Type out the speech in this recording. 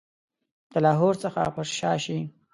د لاهور څخه پر شا شي.